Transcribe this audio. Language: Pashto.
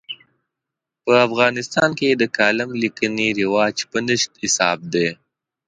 په افغانستان کې د کالم لیکنې رواج په نشت حساب دی.